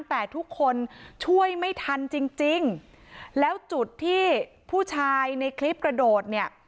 แต่ทุกคนช่วยไม่ทันจริงจริงแล้วจุดที่ผู้ชายในคลิปกระโดดเนี่ย